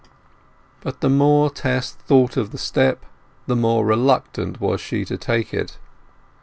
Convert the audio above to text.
But the more Tess thought of the step, the more reluctant was she to take it.